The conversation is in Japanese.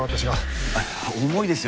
はい。